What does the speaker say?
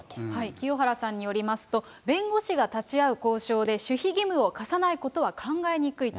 清原さんによりますと、弁護士が立ち会う交渉で守秘義務を課さないことは考えにくいと。